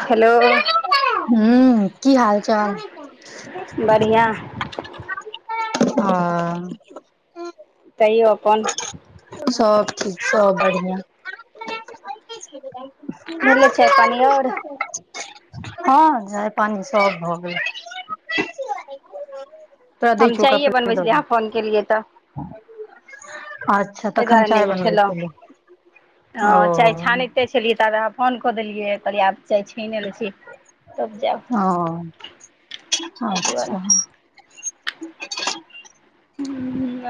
Hello हूँ की हाल चाल? बढ़िआँ [unintelligible] आ तहियो अप्पन। सभ ठीक, सभ बढ़िआँ। [unintelligible] [inaudible] भेलै चाय पानि आओर हँ चाय पानी सब भऽ गेलै। [unintelligible] तोरा दै हम छीयौ ओकरा चायए पहिले बनबै द छलियै दहि। अहाँ फोन केलियै तऽ [unintelligible] [unintelligible] अच्छा एहि दुआरे तखन नहि चाय बनबै उठेलहुँ छलहु। हँ चाय छानैते छलियै ताबे अहाँ फोन कऽ देलि। लिए, कहलिए आब चाय छैने लैय छी, तब जैब। [unintelligible] आच्छा। [inaudible]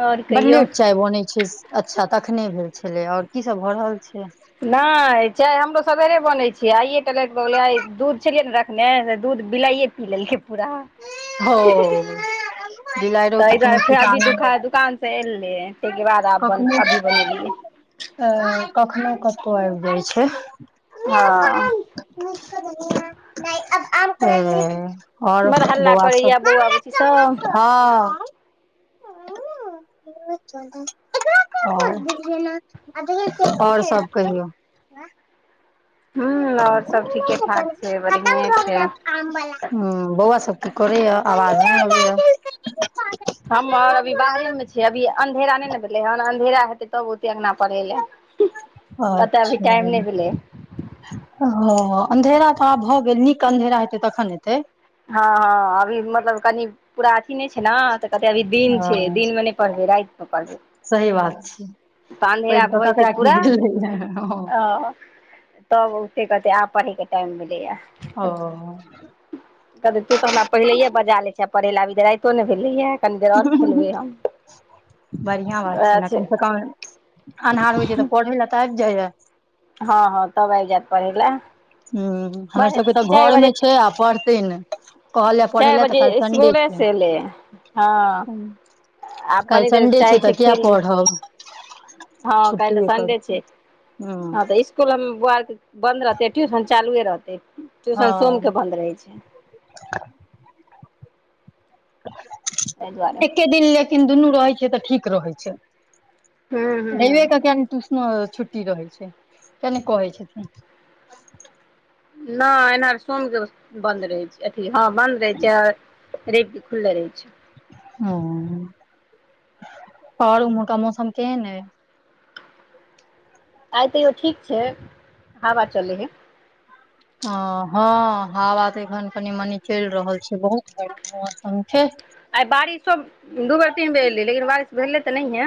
आओर बड कहियौ लेट चाय बनै छी। अच्छा तखने भेल छलैय, आओर कीसभ भऽ रहल छै। नहि चाय हमरो सवेरे बनै छीयै, आइए तऽ लाइट भ गेलैय, आइ दूध छलियै ने रखने से दूध बिलाइए पि लेलके पुरा। हो ही-ही-ही, बिलाड़िो के तैहि कोनो दुआरे फेर अभी ठिकाना दुखा नहि दुकान। से एलिये, ताहिके बाद आब अभी बनेलियै। तअ, कखनो क कअर दैय छै। हँ। मिर्च के भगोड़ा नहि अब आम करै मिस बड़ हल्ला करैया बौआ बुची सब। हँ। [unintelligible] [unintelligible] आओर सब कहियौ। हूँ आओर सब ठीके ठाक अपन छै खतम बढ़िए भऽ गेलै छै। आम बला, हूँ बौआ सब की करैए आवाज नहि अबैए। [unintelligible] हम्मर अभी बाहरे मे छै, अभी अन्धेरा नहि ने भेलै हन, अन्धेरा हेतै तब ओते अंगना पढ़ै लए। कतऽ अभी टाइम अच्छा नहि भेलै। हँ, अँधेरा तऽ आब भऽ गेल, नीक अँधेरा हेतै तखन एतै। हँ अभी मतलब कनि पूरा अथी नहि छै ने, तऽ कहतै अभी दिन हँ छै, दिनमे नहि पढ़बै, राति कऽ पढ़बौ। सही बात छै। तऽ पैघ अँधेरा कऽ भऽ जेतै ककरा की पुरा भेलैया हँ अ तब ओते कहते आब पढ़ेके टाइम भेलैया। ओ। कहतै तू तऽ हमरा पहिलेये बजा ले छेए पढ़े लए, अभी तऽ राइतो ने भेलैया। कनी देर और खेलबै हम बढ़िआँ बात छै ने, कमसँ कम अन्हार होइ छै तऽ पढ़ै लऽ तऽ आबि जाइया। हँ, हँ तब आब जैत पढ़े लेए। हूँ, हमर सबके तऽ घरमे छै आ पढ़तै ने। कहलि पढ़ै चारि लऽ तऽ बजे काल्हि संडे स्कुले छीयै। से एलै हँ आब कनी काइल देर संडे चाहै छै तऽ किया खेली पढ़ब। हँ काइल तऽ छुट्टिए संडे करतै छै, हँ तऽ इ स्कूल बौआ के बन्द रहते, ट्यूशन चालुए रहते, ट्यूशन सोम हँ के बंन्द रहे छै। [inaudible] एहि दुआरे एके दिन ले लेकिन दुनू रहै छै तऽ ठीक रहै छै, हूँ रइबे हूँ के ट्यूशन छुट्टी रहै छै, ते ने कहै छथिन। नय एनहर सोम के बन्द रहै छै। अथी हँ बन्द रहे छै, रइब के खुलले रहे छै। ह, और ओमरहका का मौसम केहन अय? आइ तैयो ठीक छै, हवा चलै हइ। ह, हँ, हवा तऽ एखन कनि -मनी चलि रहल छै, बहुत बढिया मौसम छै। आइ बारिशो दू बेर, तीन बेर एले, लेकिन बारिश भेले तऽ नहिये।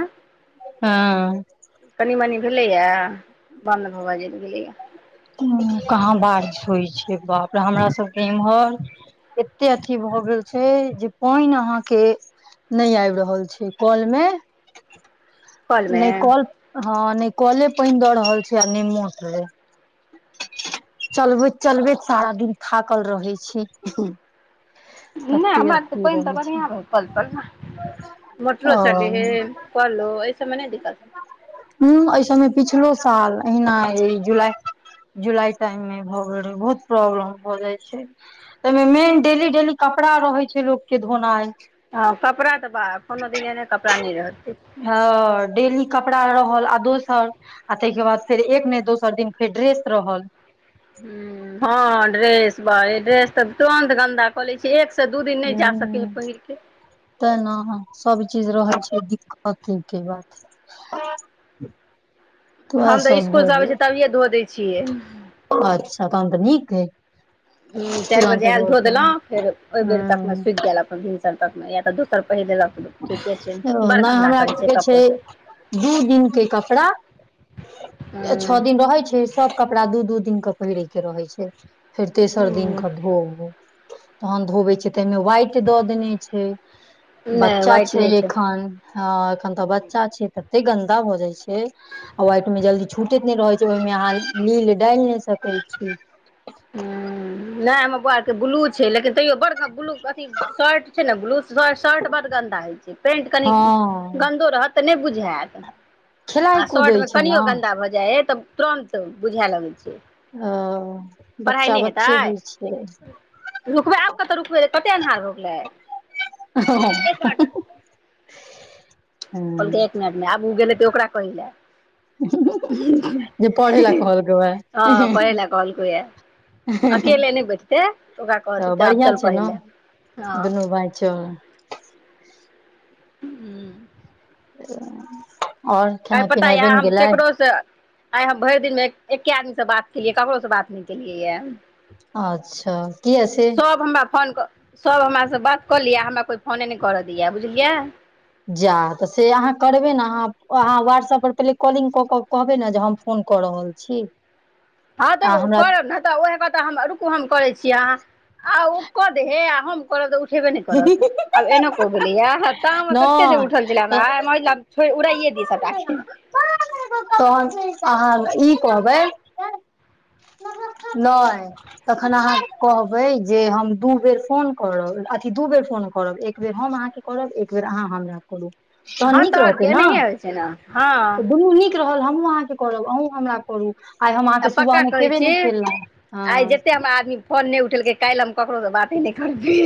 हँ। कनी- मनी भेलैएा बन्द भऽ जाइ गेलैया। उ कहाँ बारिश होइ छै बाप रे, हमरा सबके इम्हर। एते अथी भऽ गेल छै, जे पइन अहाँके नय आबि रहल छै, कँल मे। कलमे ने कल हँ, नहि कौले पइन द रहल छै, आ ने मोटरे। चलबैत -चलबैत सारा दिन थाकल रहै छी। नय तते हमरा आर के तऽ अथी पइन त रहै छै बढ़िया आंबे य कॉल- तॉल मे। मोटरो ओ चले है, कॉलो एहिसबमे नहि दिक्कत है। हुं, एहि सबमे पिछलो साल, एहिना ऐले जुलाई जुलाई टाइम मे भऽ गेल रहै, बहुत प्रॉब्लम भऽ जाइ छै। तइमे मेन डेली -डेली कपड़ा रहै छै लोकके धोनाइ। हँ, कपड़ा तऽ बा, कोनो दिन एने कपड़ा नहि रहतै। हँ। डेली कपड़ा रहल, आ दोसर आ ताहिके बाद फेर एक नहि दोसर दिन फेर ड्रेस रहल। हुं, हँ ड्रेस, बा ड्रेस तऽ तुरन्त गन्दा कऽलै छै, एक से दू दिन नहि जा सकै ह हइ पहिरके। ते ना हँ, सभचीज रहै छै दिक्कते के बात। आ [inaudible] हम तऽ स्कूल से आबै छियै, तभिए धो दैय छियै। अच्छा! तहन तऽ नीक अय। हुं, चाइर तुरंत बजे आइल धो के हूं देलहुँ, फेर ओहि बेर तक मे सुखि गेल अपन, भिनस तक या तऽ दोसर पहि देलक ठीके छै बड़ ने गन्दा हमरा करै सबके छै कपड़ो सब दू दिन के कपड़ा हँ छअ दिन रहै छै, सब कपड़ा दू-दू दिन का पहिरक रहै छै फेर तेसर दिन ह के धोबऊ तहन धोबे छिय ताहिमे वाइट दऽ देने छै नहि बच्चा व्हाइट छै नहि ह एखन हँ एखन तऽ बच्चा छै तते गन्दा भऽ जाइ छै आ वाइटमे जल्दी छूटैत नहि रहैत छै ओहिमें अहाँ नील डालि नहि सकैत छी ह नहि हमर बौआर के ब्लू छै लेकिन तैयो बड़ ब्लू अथी शर्ट छै ने ब्लू श शर्ट बड् गन्दा होइछै पैंट कनि हँ गन्दो रहत तऽ नहि बुझौत खेलाइ आ कुदै शर्ट मे छै ने कनियो गन्दा भऽ जाइ तऽ तुरन्त बुझा लगैत छै ह पढ़ाइ बच्चा नहि बच्चे होइ हेतै छै रुकबै आब कतऽ रुकबै कतेक अन्नहार भगेलैय ह कहलकैक जे एक मिनटमे आबब, ओ गेल हेतैक ओकरा कहइ लेल। जे पढ़ै लए कहलकै वैह ह परहइ लै कहल के या अकेले नै बैथतै, ओकरा तऽ कहतइ आब बढ़िआँ चल छै पढ़इ ने लेल। दुनू भाई चल हाँ ह आइ पता य हम ककरो से आइ हम भरि दिन मे एके आदमी सँ बात केलियै, ककरोसँ बात नहि केलियै यए अच्छा किया से सब हमरा फोन कऽ सब हमरासँ बात कऽ लिअ हमरा कोइ फोने नहि करऽ दैया बुझलियै जा तऽ से अहाँ करबै ने अहाँ अहाँ व्हाट्सअपर पहिले कॉलिंग कऽ कऽ कहबै ने जे हम फोन कऽ रहल छी हँ तऽ आ हमरा करब ने तऽ ओहे कऽ हम रुकु हम करै छिए अहाँ आ ओ कऽ दे हे आ हम करब तऽ उठेबै नै करत नहि आब एना को भेलैए तामस आते जे उठल छेला तऽ आय हमरा म उड़ाए दी सभटााके तहन अहाँ ई कहबै नय तखन अहाँ कहबै जे हम दू बेर फोन करब अथी दू बेर फोन करब एक बेर हम अहाँके करब एक बेर अहाँ हमरा करू तहन हँ नीक तऽ आओर की रहते ने एनाहिए होइ छै ने हँ दुनू नीक रहल, हमूँ अहाँके करब। अहुँ हमरा करू। आइ हम आ अहाँके सुबह पक्का मे कहै केने छी नहि केलहुँ आइ हँ जतेक आदमी हमर फोन नहि उठेलकै, काल्हि हम ककरोसँ बाते नहि करबै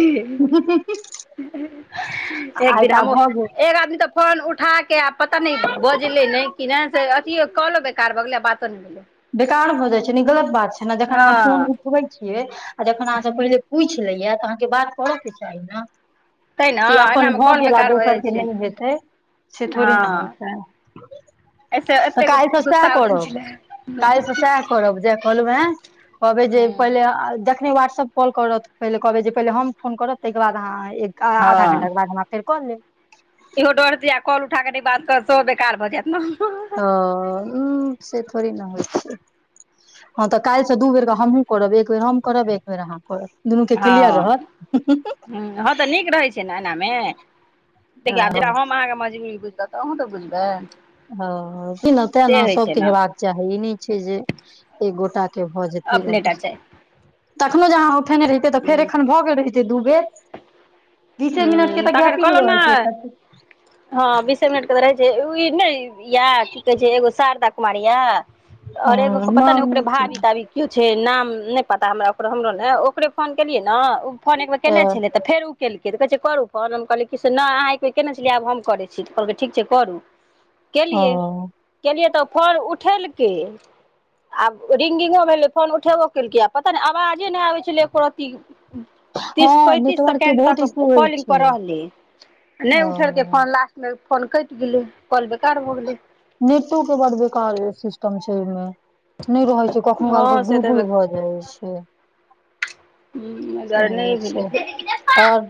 एक आइ दिन तऽ हमो आब भऽ गेल एक आदमी तऽ फोन उठा कऽ आ पता नहि, बजलै नहि कि नहि से अथियो कहलहुँ बेकार भऽ गेलै आ बातो नहि भेलैफोन उठा कऽ आ पता नहि, बजलै नहि कि नहि से अथियो कहलहुँ कालो बेकार भऽ गेलै आ बातो नहि भेलै बेकार भऽ जाइ छै ने, ई गलत बात छै ने। जखन अहाँ फोन हँ उठबै छियै आ जखन अहाँसँ पहिले पूछि जाया तऽ अहाँके बात करऽ के चाही ने तै ने कि अपन एनामे भऽ कॉल गेल आ बेकार भऽ जाइ दोसरके छै नहि हेतै से थोड़े न हँ होयत, एहिसँ तऽ एतेक काल्हि तऽ से गुस्सा उठल करब। छलै काल्हि तऽ सएह करब जे कहलहुँ, कहबै जे पहिले अखने व्हाट्सएप कॉल करत, पहले कहबै जे पहले हम फोन करब तही के बाद अहाँ एक आधा घंटा हँ के बाद हम अहाँ के फेर कऽ लेब। इहो डरत आ कॉल उठा कऽ ने बात करतो बेकार भऽ जायत ने ह उ से थोड़े न होइ छै हँ तऽ काल्हि से दू बेर क हमहुूँ करब। एक बेर हम करब, एक बेर अहाँ करब, दुनू के किलियर हँ रहत। तैयार, जेना हँ हाम अहाँके मजबूरी बुझलऊ, तऽ अहूँ तऽ बुझबै? ह तैं न, तें न, से होइ छै सबके ने हेबाक चाही, ई नहि छै जे एक गोटा के भऽ जेतै, और अपने टा दोसर छै तखनो जे अहाँ उठेने रहितियै तऽ, फेर ह एखन भऽ गेल रहितै दू बेर! बीसे मिनट के तऽ तखन गैपिंग कहलहुँ रहै छै। ने हँ छैति [unintelligible] बीसे मिनट रहै छै, ई उ नहि य? की कहे छै, एगो शारदा कुमारी या हँ और एगो के पता नै, नाम ओकरे नहि छै भाबि ताबी कियो छै, नाम नै पता हमरा ओकर हमरो ने, ओकरे फोन केलियै न, ओ फोन एकबेर केने छेलै त फेर उ केलकै, तऽ कहै छै करू फोन? हम कहलियै कि से नअई अहाँ एक बेर केने छलियै, आब हम करै छी तऽ कहलकै ठीक छै करू। ओ केलियै। केलियै तऽ फोन उठेलकै। आब रिंगिंगो भेलै, फोन उठेबो केलकै। आब पता नहि आबाजे नहि आबै छलै एको रती। हँ नेटवर्क के सकेंड बहुत तक इशू होइ कॉलिंग छै पर रहले, नहि उठेलकै ओ फोन। लास्ट मे फोन कटि गेलै, कॉल बेकार भ गेले। नेटो क बड बेकार सिस्टम छै ओहिमे, नहि रहै छै। कखनोकालके हँ से गुल तऽ हेबे गुल भऽ जाइ छै। हम्म से अगर नहि छै भेलइ, आओर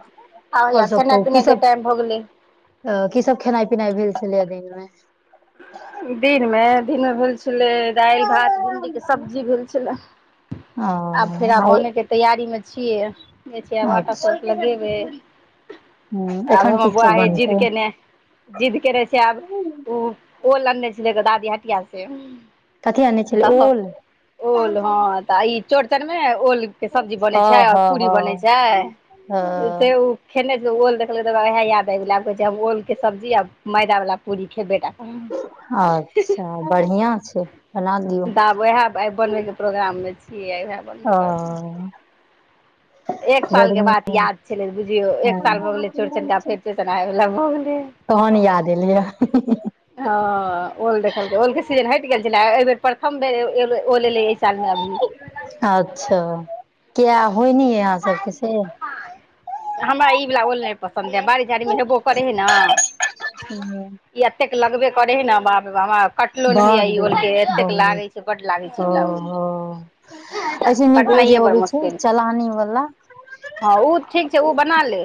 आ या खेनाइ पिनाइ के टाइम भ गेलै। अ की सब खेनाइ पिनाइ भेल छलै दिन मे? दिनमे? दिनमे भेल छ छ्लै दालि, भात भिंडी के सब्जी भेल छलै। ओ आब फेर आब आइ बने के के तैयारी मे छियै। जे छियै आब आटा अच्छा शट [unintelligible] लगेबै। आब एखन की हमर बौआ सब हे जिद बनतै के ने जिद्द केने छै आब, ओ ओल अनने छलै दादी हटिया से। कथी आनै छलै त, ओल ओल हँ तऽ ई चौरचनमे ओल के सब्जी बनै हँ छै, आर हँ पूरी बनै छै, हँ से ओ खेने दियो ओल देखलै त ओह याद आब गेलै, आब कहै छै हम ओल के सब्जी आ मैदा बला पूरी खेबे टा अच्छा बढ़िआ छै, बना दियौ। वएह आइ बनबैके प्रोग्राममे छियै वएह। ओ एक साल के गर्मी बात याद छलै बुझियो, एक साल भऽ हँ गेलै चोरचना आब फेर चनायवला [unintelligible] भ गेलै। तहन याद एलिय य। ह ओल देखलकै, ओल के सीजन हटि गेल छलै, एहि बेर प्रथम बेर एब एब ओल एले एहि साल मे अभी। अच्छा किया होइ नै य आहाँ सबके से? हमरा ई बला ओल नहि पसन्द य। बारि झाड़ीमे हेबो करै हइ न, ई एतेक लगबे करै हइ ने, बाप रे बाप कटलो नहि होइया ई बड्ड ओलके, एतेक बहुत लागे छै, बड लागे छै ओ ई बला ओल। हो ऐसे नीक ओ जे कटनाइए अबै बड मुशकिल छै। चलानी वाला हँ उ ठीक छै उ बना ले।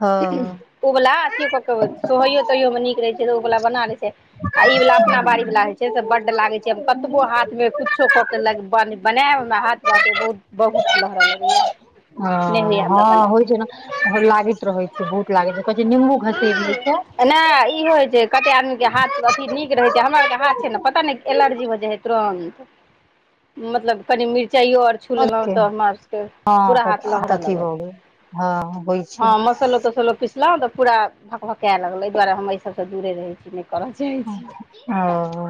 हँ उ बला ह अथियो कऽ के, सोहैयो तोहैयोमे नीक रहै छै उ बला बना लै छै। आ ई बला अपना बाड़ी बला हई छै से बड्ड लागे छै। हम कतबो हाथ में कुछो क के लग बन बनायब हमरा हाथ बाप रे बहुत, बहुत लहरऽ लगैया। ह नहि होइए हमरा हँ होइ बनायल छै न तहन लागैत रहै। छै बहुत लागै छै कहै छै निम्बू घसेर लै छै नहि ई होइ छै कते आदमी के हाथ अथि नीक। रहै छै हमरक हाथ छै न पता नहि। एलर्जी हो जाइ है तुरोंत मतलब कनि मिर्चाइयो ओर। छु लेलै के त हम सबके हँ पूरा त हाथ लहर अथी लगत हो गेल हँ होइ ह छै मसलो तसलो पिस। पिसलौ त पूरा भकभके लगल एहि दुआरे हम एहि सब से दुरे रहै छी। जाइ छी। ओ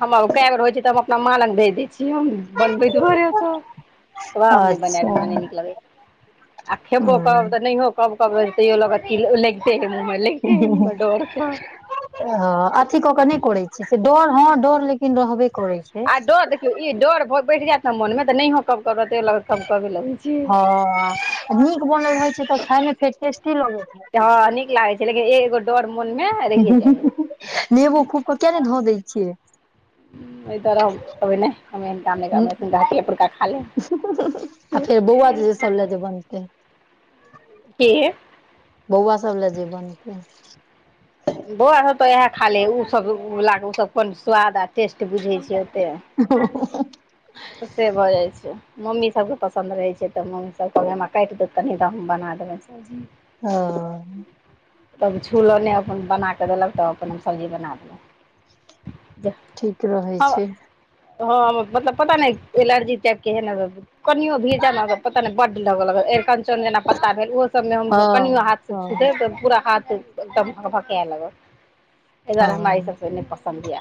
हम केए बेर होइ छै तऽ हम अपना मालग भेज दै छियै हम। बनबै दुआरे त आब नै बनेब अच्छा हमरा नहि निकलगया। आ खेबो करब तऽ ह नहियो कब-कब लगैत तैयो लागत कि लैगते है। लैगते है मुँह में डोर सँ। ह अथी कऽक नहि करै छी से डोर हँ डोर लेकिन रहबे करै छै। आ डोर देखियौ ई डोर बैस जेयत न मोन मे तऽ नहियो कब-कब केलक। ह नीक बनल रहै छै तऽ खेयमे फेर टेस्टी लगैत। रहै हँ छै नीक लागै छै लेकिन एगो डोर मोनमे। रहिये जाइ हय नेबो खूब क किया नै धऽ दै छियै। अइ तरफ कभी नै हम एहन काम नहि [inaudible] पुरखा खा लेब। आ फेर बौआ जे सब ले जे बनतै। की बौआ सब ले जे बनतै। बौआ सब त वोहा खाँ लै है उसभ उसभ कोन स्वाद आ टेस्ट बुझै छै ओते। ओ से भऽ जाइ छै। मम्मी सभकेँ पसन्द रहै छै त मम्मीसभ कहबै हमरा काटि देत कनी त हम बना देबै सब्जी। ह तब छुलौ नै अपन बना कऽ देलन तब अपन हम सब्जी बना देलौ। ठीक रहै हँ छै हँ मतलब। पता नहि एलर्जी टाइप केे एहन लागल कनियो भीजा लागल पता नै बडड लगा लागल। एरकंचक जेना पत्ता भेल ओहो सभमे हँ हमसब कनियो हाथ से हँ छू देब त पूरा हाथ। एकदम भकभकेय लागत। तहि दुआरे हमरा ई सब हँ स नहि पसन्द य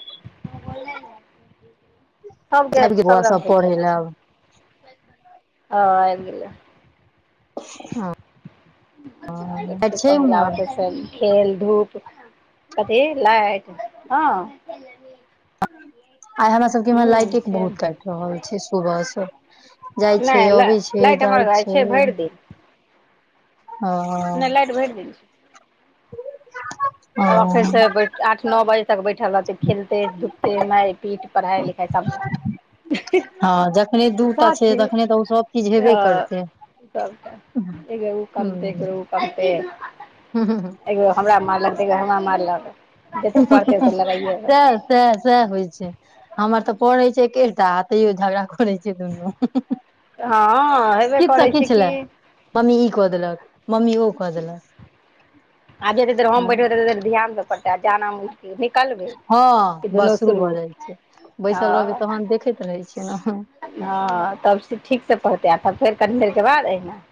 सबके। आबि गेल सब बौआ रंग के होइ छै पढ़े न लए आब ह आबि गेलै। हँ आज लाइट छै कल के उम्हर आवश्यक खेल धूप। कथी लाइट हँ। आइ हमरा सबके इम्हर हूँ लाइटे छै बहुत काटि रहल छै सुबह स। जाइ छै नहि अबै छै लाइट जाइ हमर छै। भरि दिन नहि लाइट भरि दिन छै ह आब एखन से बैठ आठ नौ बाइज। तक बैठल रहतै खेलतै धुपतै माइर पीट पढ़ाई लिखाई सबटा। हँ जखने दूटा छै साथे तखने तऽ उसभ चीज हेबे करतै। सबटा एक बेर उ कनतै एक बेर उ कनतै। ह ह ह एगो हमरा मारलक त एगो हमरा मारलक। हु जतेक हु हु पढ़तै हु ओतेक लड़ाइए रहतै सएह- सएह होइ छै, हमर तऽ पढ़ै छै एकेटा तैयो झगड़ा क करै छै दुनू हँ हेबे किछ स करै छै किछ ल कि लैं। मम्मी ई कऽ देलक, मम्मी ओ कऽ देलक आब जतेक देर हम बैठबै तते देर ध्यान सऽ पढ़तै, आ जहाॅंने हम उठ हँ बस शुरू भऽ जाइ छै, बैसल रहबै हँ तहन देखैत रहै छियै न। हँ तब से ठीक से पढ़तै, आ त फेर कनी देर के बाद अहीना।